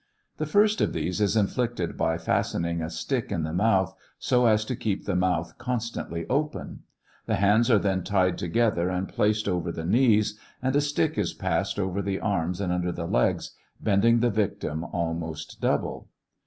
The first of these is inflicted by fastening a stick in the mouth so as to keep the Tnouth constantly open ; the hands are then tied together and placed over the knees, and a stick is passed over the arms and under the legs, bending the victim almost double.